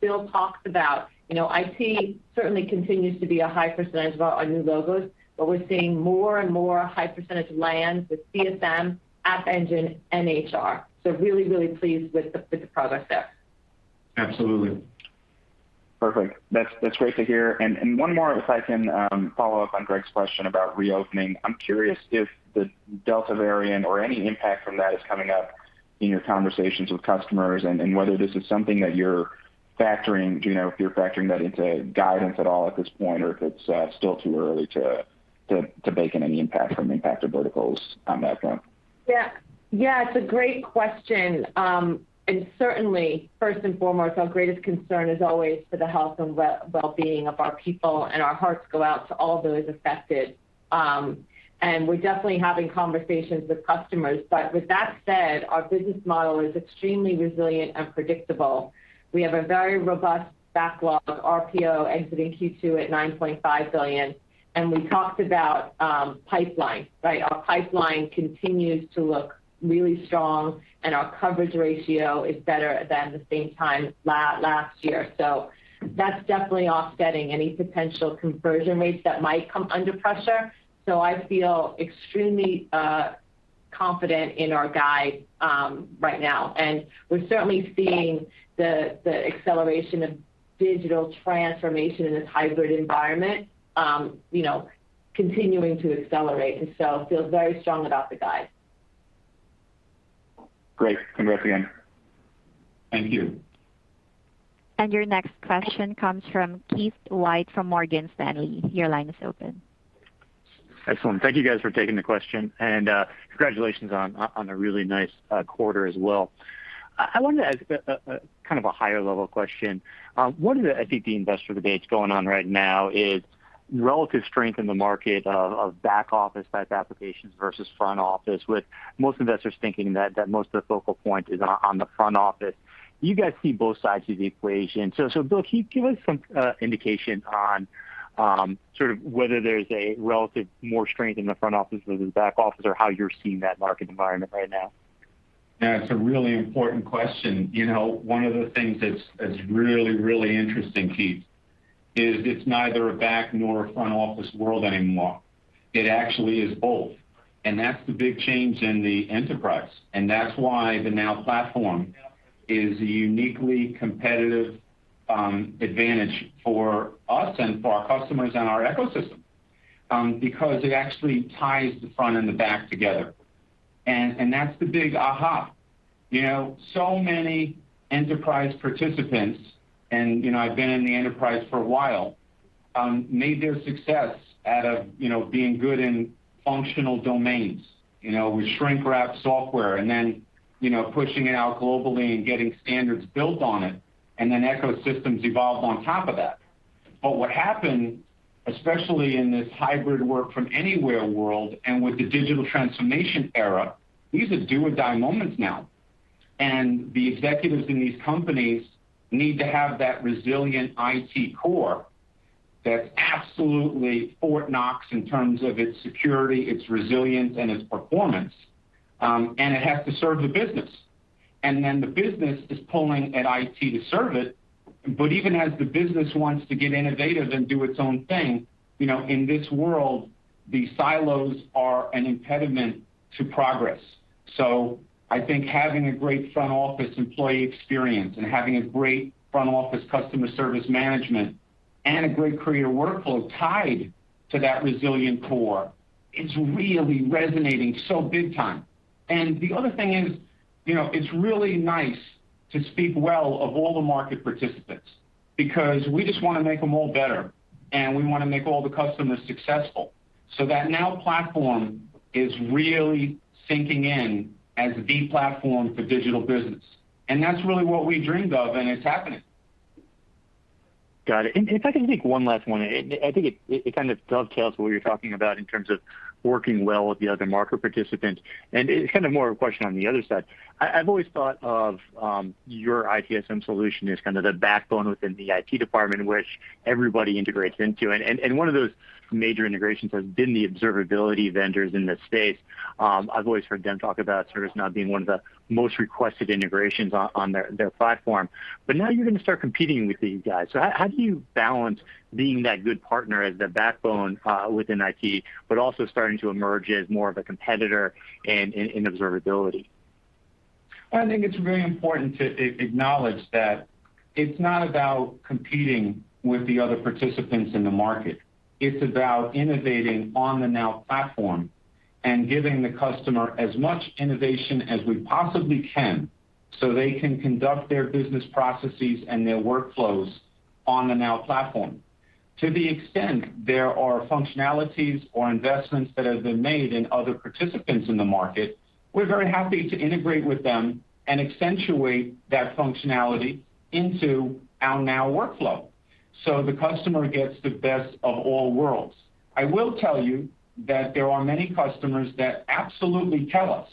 Bill talked about, IT certainly continues to be a high percentage of our new logos. But we're seeing more and more high percentage land with CSM, App Engine, and HR. Really pleased with the progress there. That's great to hear. One more, if I can follow up on Gregg's question about reopening. I'm curious if the Delta variant or any impact from that is coming up in your conversations with customers, and whether this is something that you're factoring. If you're factoring that into guidance at all at this point, or if it's still too early to bake in any impact from impacted verticals on that front. It's a great question. Certainly, first and foremost, our greatest concern is always for the health and well-being of our people, and our hearts go out to all those affected. We're definitely having conversations with customers. With that said, our business model is extremely resilient and predictable. We have a very robust backlog, RPO exiting Q2 at $9.5 billion, and we talked about pipeline. Our pipeline continues to look really strong, our coverage ratio is better than the same time last year. That's definitely offsetting any potential conversion rates that might come under pressure. I feel extremely confident in our guide right now, and we're certainly seeing the acceleration of digital transformation in this hybrid environment continuing to accelerate. Feel very strong about the guide. Congrats again. Thank you. Your next question comes from Keith Weiss from Morgan Stanley. Your line is open. Thank you guys for taking the question, congratulations on a really nice quarter as well. I wanted to ask kind of a higher level question. One of the, I think, investor debates going on right now is relative strength in the market of back office type applications versus front office, with most investors thinking that most of the focal point is on the front office. You guys see both sides of the equation. Bill, can you give us some indication on sort of whether there's a relative more strength in the front office versus back office, or how you're seeing that market environment right now? It's a really important question. One of the things that's really, really interesting, Keith, is it's neither a back nor a front office world anymore. It actually is both. That's the big change in the enterprise. That's why the Now Platform is a uniquely competitive advantage for us and for our customers and our ecosystem. It actually ties the front and the back together. That's the big aha. Many enterprise participants, and I've been in the enterprise for a while. Made their success out of being good in functional domains, with shrink wrap software and then pushing it out globally and getting standards built on it, and then ecosystems evolved on top of that. What happened, especially in this hybrid work from anywhere world and with the digital transformation era, these are do or die moments now. The executives in these companies need to have that resilient IT core that's absolutely Fort Knox in terms of its security, its resilience, and its performance. It has to serve the business. The business is pulling at IT to serve it. Even as the business wants to get innovative and do its own thing, in this world, the silos are an impediment to progress. I think having a great front office employee experience and having a great front office Customer Service Management and a great Creator Workflows tied to that resilient core is really resonating so big time. The other thing is, it's really nice to speak well of all the market participants. Because we just want to make them all better, and we want to make all the customers successful. That Now Platform is really sinking in as the platform for digital business. That's really what we dreamed of, and it's happening. If I can take one last one, I think it kind of dovetails what you're talking about in terms of working well with the other market participants, and it's kind of more of a question on the other side. I've always thought of your ITSM solution as kind of the backbone within the IT department, which everybody integrates into. One of those major integrations has been the observability vendors in this space. I've always heard them talk about ServiceNow being one of the most requested integrations on their platform. Now you're going to start competing with these guys. How do you balance being that good partner as the backbone within IT, but also starting to emerge as more of a competitor in observability? I think it's very important to acknowledge that it's not about competing with the other participants in the market. It's about innovating on the Now Platform and giving the customer as much innovation as we possibly can so they can conduct their business processes and their workflows on the Now Platform. To the extent there are functionalities or investments that have been made in other participants in the market, we're very happy to integrate with them and accentuate that functionality into our Now workflow, so the customer gets the best of all worlds. I will tell you that there are many customers that absolutely tell us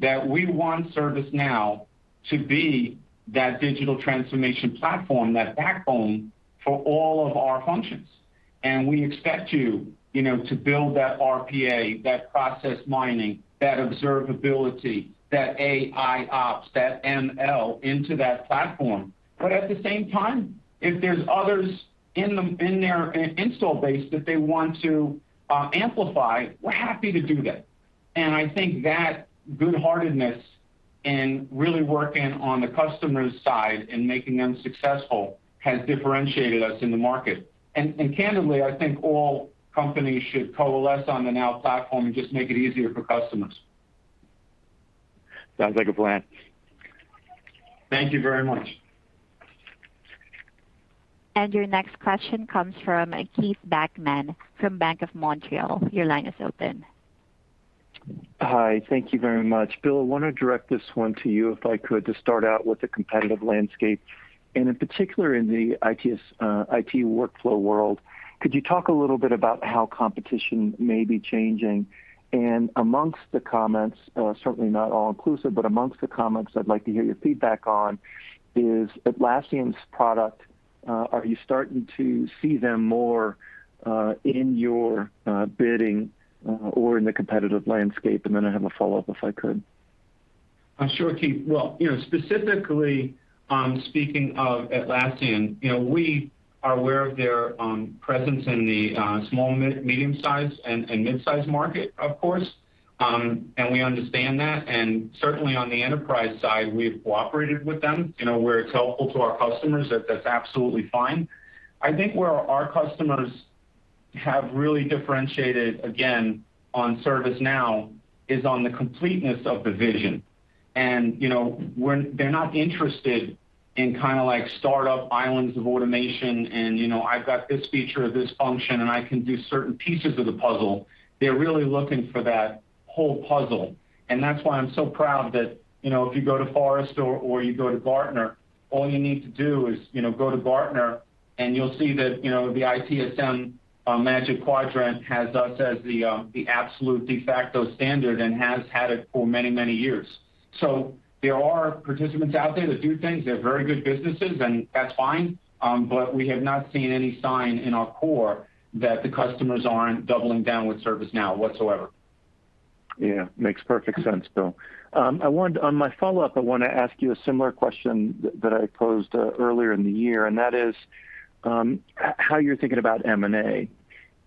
that, "We want ServiceNow to be that digital transformation platform, that backbone for all of our functions. We expect you to build that RPA, that process mining, that observability, that AIOps, that ML into that platform. At the same time, if there's others in their install base that they want to amplify, we're happy to do that. I think that good-heartedness and really working on the customer's side and making them successful has differentiated us in the market. Candidly, I think all companies should coalesce on the Now Platform and just make it easier for customers. Sounds like a plan. Thank you very much. Your next question comes from Keith Bachman from Bank of Montreal. Your line is open. Thank you very much. Bill, I want to direct this one to you if I could, to start out with the competitive landscape, and in particular in the IT workflow world. Could you talk a little bit about how competition may be changing? Amongst the comments, certainly not all inclusive, but amongst the comments I'd like to hear your feedback on is Atlassian's product. Are you starting to see them more in your bidding or in the competitive landscape? Then I have a follow-up if I could. Sure, Keith. Well, specifically speaking of Atlassian, we are aware of their presence in the small, medium-sized, and mid-sized market, of course. We understand that, and certainly on the enterprise side, we've cooperated with them. Where it's helpful to our customers, that's absolutely fine. I think where our customers have really differentiated, again, on ServiceNow is on the completeness of the vision. They're not interested in kind of like startup islands of automation and I've got this feature or this function, and I can do certain pieces of the puzzle. They're really looking for that whole puzzle. That's why I'm so proud that if you go to Forrester or you go to Gartner, all you need to do is go to Gartner and you'll see that the ITSM Magic Quadrant has us as the absolute de facto standard and has had it for many, many years. There are participants out there that do things. They're very good businesses, and that's fine. We have not seen any sign in our core that the customers aren't doubling down with ServiceNow whatsoever. Makes perfect sense, Bill. On my follow-up, I want to ask you a similar question that I posed earlier in the year, and that is how you're thinking about M&A.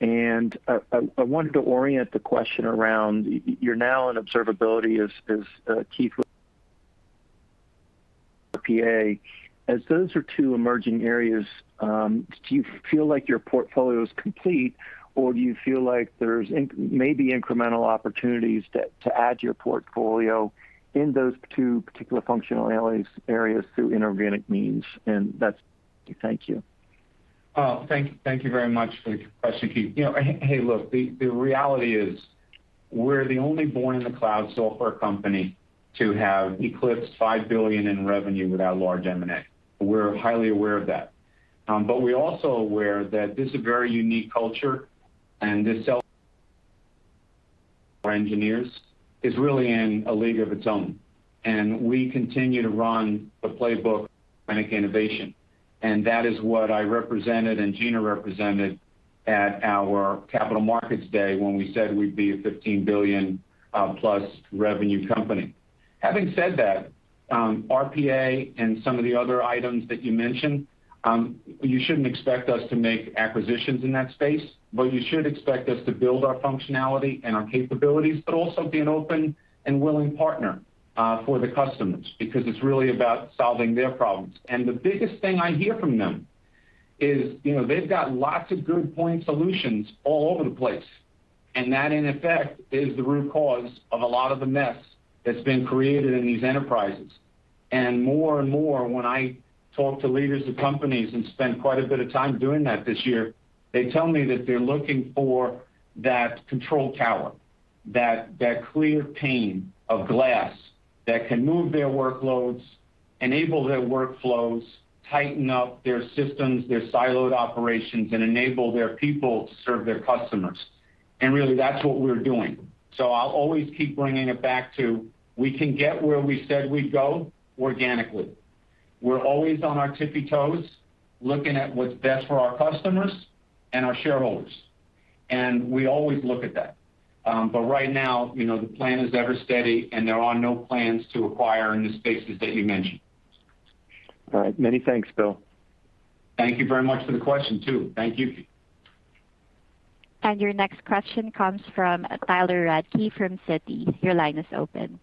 I wanted to orient the question around your now and observability, as Keith, RPA. As those are two emerging areas, do you feel like your portfolio is complete, or do you feel like there's maybe incremental opportunities to add to your portfolio in those two particular functionality areas through inorganic means? That's it. Thank you. Thank you very much for your question, Keith. Hey, look, the reality is we're the only born in the cloud software company to have eclipsed $5 billion in revenue without large M&A. We're highly aware of that. We're also aware that this is a very unique culture, and this sell. Our engineers is really in a league of its own, and we continue to run the playbook organic innovation. That is what I represented and Gina represented at our Capital Markets Day when we said we'd be a $15 billion plus revenue company. Having said that, RPA and some of the other items that you mentioned, you shouldn't expect us to make acquisitions in that space. But you should expect us to build our functionality and our capabilities, but also be an open and willing partner for the customers, because it's really about solving their problems. The biggest thing I hear from them is they've got lots of good point solutions all over the place, and that, in effect, is the root cause of a lot of the mess that's been created in these enterprises. More and more, when I talk to leaders of companies and spend quite a bit of time doing that this year, they tell me that they're looking for that control tower. That clear pane of glass that can move their workloads, enable their workflows, tighten up their systems, their siloed operations, and enable their people to serve their customers. Really, that's what we're doing. I'll always keep bringing it back to we can get where we said we'd go organically. We're always on our tippy toes looking at what's best for our customers and our shareholders, and we always look at that. Right now, the plan is ever steady and there are no plans to acquire in the spaces that you mentioned. All right. Many thanks, Bill. Thank you very much for the question, too. Thank you. Your next question comes from Tyler Radke from Citi. Your line is open.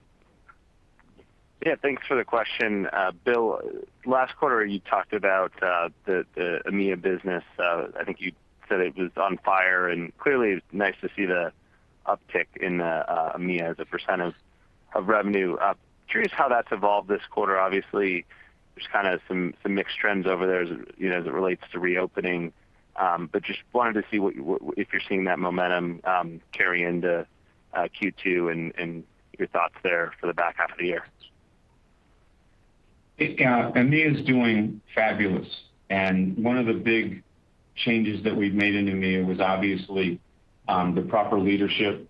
Thanks for the question. Bill, last quarter you talked about the EMEA business. I think you said it was on fire, and clearly it's nice to see the uptick in the EMEA as a percentage of revenue. Curious how that's evolved this quarter. Obviously, there's kind of some mixed trends over there as it relates to reopening. Just wanted to see if you're seeing that momentum carry into Q2 and your thoughts there for the back half of the year. EMEA is doing fabulous, and one of the big changes that we've made in EMEA was obviously the proper leadership,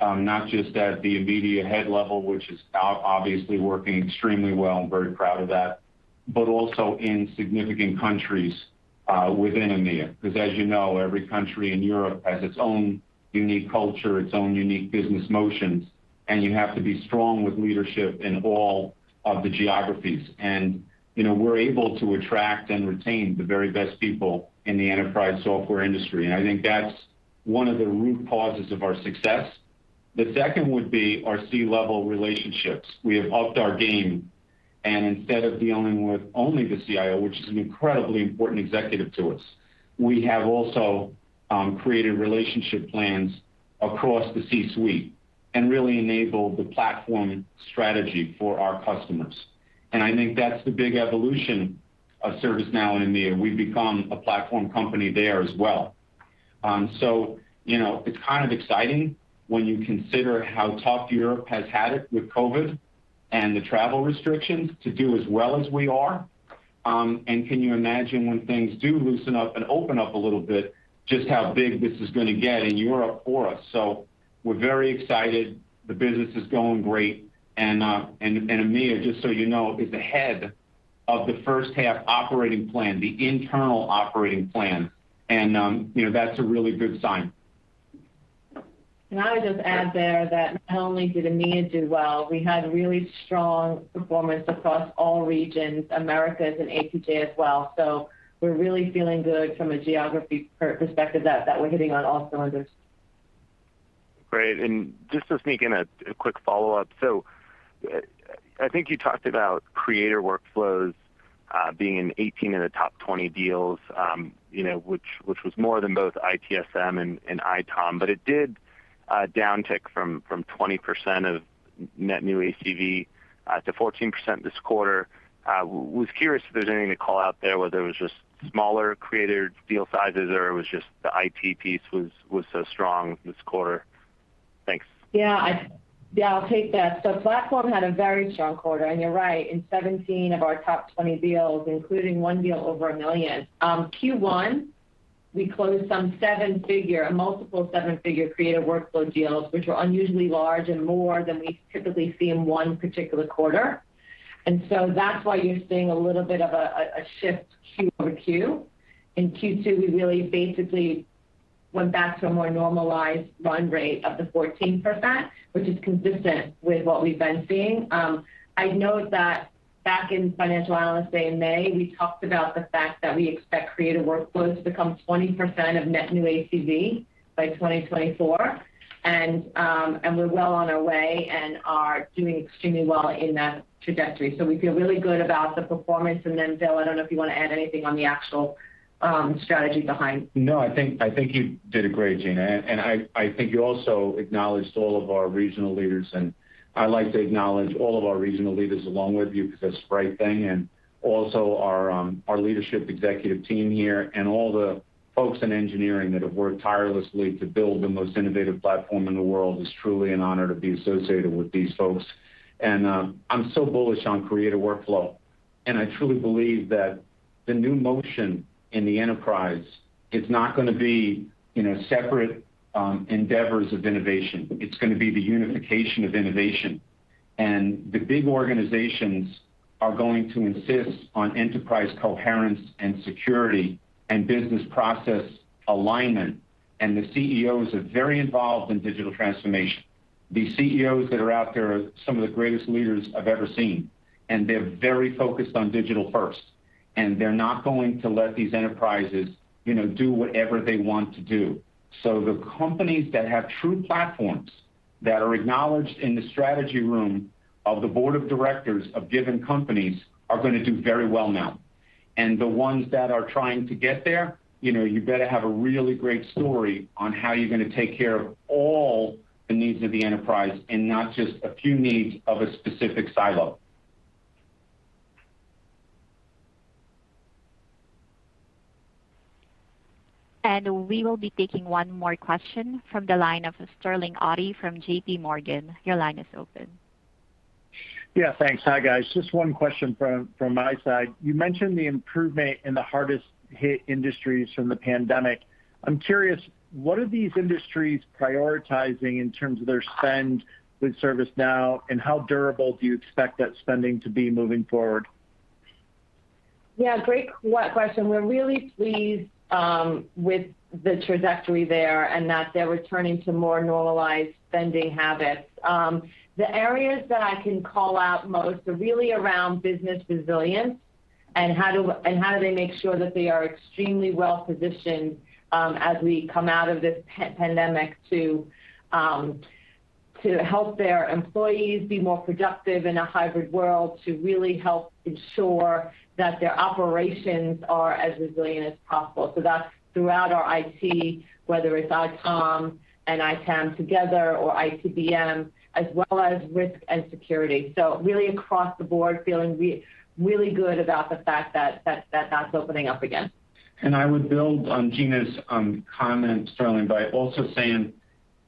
not just at the immediate head level, which is obviously working extremely well, and very proud of that, but also in significant countries within EMEA. As you know, every country in Europe has its own unique culture, its own unique business motions, and you have to be strong with leadership in all of the geographies. We're able to attract and retain the very best people in the enterprise software industry, and I think that's one of the root causes of our success. The second would be our C-level relationships. We have upped our game, and instead of dealing with only the CIO, which is an incredibly important executive to us. We have also created relationship plans across the C-suite and really enabled the platform strategy for our customers. I think that's the big evolution of ServiceNow in EMEA. We've become a platform company there as well. It's kind of exciting when you consider how tough Europe has had it with COVID and the travel restrictions to do as well as we are. Can you imagine when things do loosen up and open up a little bit, just how big this is going to get in Europe for us? We're very excited. The business is going great. EMEA, just so you know, is ahead of the first half operating plan, the internal operating plan, and that's a really good sign. Can I just add there that not only did EMEA do well, we had really strong performance across all regions, Americas and APJ as well. We're really feeling good from a geography perspective that we're hitting on all cylinders. Just to sneak in a quick follow-up. I think you talked about Creator Workflows being in 18 of the top 20 deals, which was more than both ITSM and ITOM, but it did downtick from 20% of net new ACV to 14% this quarter. Was curious if there's anything to call out there, whether it was just smaller Creator deal sizes or it was just the IT piece was so strong this quarter. I'll take that. Platform had a very strong quarter, and you're right. In 17 of our top 20 deals, including one deal over $1 million. Q1, we closed some seven-figure, multiple seven-figure Creator Workflows deals, which were unusually large and more than we typically see in one particular quarter. That's why you're seeing a little bit of a shift quarter-for-quarter. In Q2, we really basically went back to a more normalized run rate of the 14%, which is consistent with what we've been seeing. I'd note that back in Financial Analyst Day in May, we talked about the fact that we expect Creator Workflows to become 20% of net new ACV by 2024. We're well on our way and are doing extremely well in that trajectory. We feel really good about the performance. Bill, I don't know if you want to add anything on the actual strategy behind? No, I think you did great, Gina. I think you also acknowledged all of our regional leaders, and I'd like to acknowledge all of our regional leaders along with you, because that's the right thing. Also our leadership executive team here, and all the folks in engineering that have worked tirelessly to build the most innovative platform in the world. It's truly an honor to be associated with these folks. I'm so bullish on Creator Workflows, and I truly believe that the new motion in the enterprise is not going to be separate endeavors of innovation. It's going to be the unification of innovation. The big organizations are going to insist on enterprise coherence and security and business process alignment. The CEOs are very involved in digital transformation. The CEOs that are out there are some of the greatest leaders I've ever seen, and they're very focused on digital first, and they're not going to let these enterprises do whatever they want to do. The companies that have true platforms that are acknowledged in the strategy room of the board of directors of given companies are going to do very well now. The ones that are trying to get there, you better have a really great story on how you're going to take care of all the needs of the enterprise and not just a few needs of a specific silo. We will be taking one more question from the line of Sterling Auty from JPMorgan. Your line is open. Thanks. Hi, guys. Just one question from my side. You mentioned the improvement in the hardest hit industries from the pandemic. I'm curious, what are these industries prioritizing in terms of their spend with ServiceNow, and how durable do you expect that spending to be moving forward? Great question. We're really pleased with the trajectory there and that they're returning to more normalized spending habits. The areas that I can call out most are really around business resilience and how do they make sure that they are extremely well-positioned as we come out of this pandemic to help their employees be more productive in a hybrid world, to really help ensure that their operations are as resilient as possible. That's throughout our IT, whether it's ITOM and ITAM together or ITBM, as well as risk and security. Really across the board, feeling really good about the fact that that's opening up again. I would build on Gina's comment, Sterling, by also saying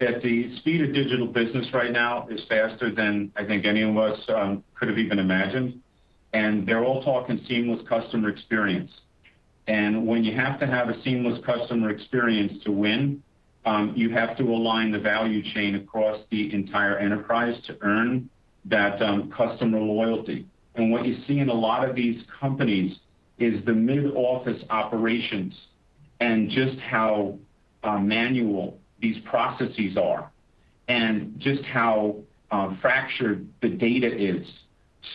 that the speed of digital business right now is faster than I think any of us could have even imagined. They're all talking seamless customer experience. When you have to have a seamless customer experience to win, you have to align the value chain across the entire enterprise to earn that customer loyalty. What you see in a lot of these companies is the mid-office operations and just how manual these processes are and just how fractured the data is.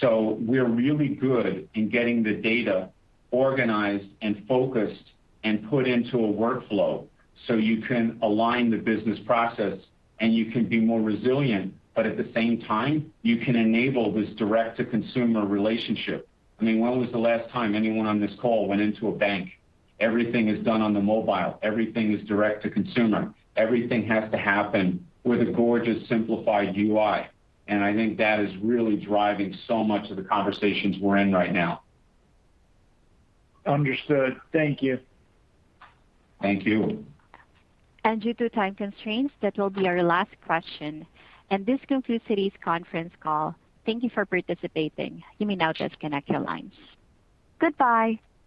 We're really good in getting the data organized and focused and put into a workflow. You can align the business process and you can be more resilient, but at the same time, you can enable this direct-to-consumer relationship. When was the last time anyone on this call went into a bank? Everything is done on the mobile. Everything is direct to consumer. Everything has to happen with a gorgeous simplified UI. I think that is really driving so much of the conversations we're in right now. Understood. Thank you. Thank you. Due to time constraints, that will be our last question. This concludes today's conference call. Thank you for participating. You may now disconnect your lines. Goodbye.